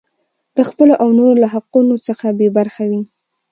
د خپلو او نورو له حقونو څخه بې خبره وي.